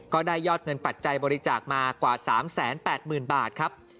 ยอดเงินปัจจัยบริจาคมากว่า๓๘๐๐๐บาทครับ